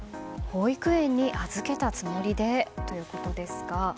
保育園に預けたつもりでということですが。